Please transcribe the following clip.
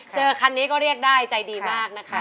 คันนี้ก็เรียกได้ใจดีมากนะคะ